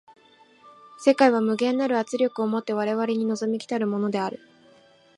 世界は無限なる圧力を以て我々に臨み来るものである。